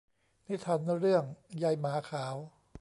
นิทานเรื่องยายหมาขาว